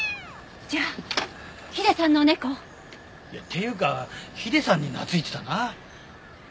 じゃあヒデさんの猫？いやっていうかヒデさんに懐いてたな。